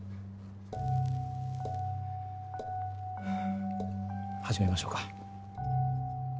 ふぅ始めましょうか。